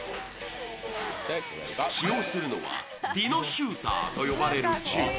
使用するのはディノシューターと呼ばれる銃。